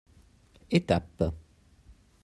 Étape.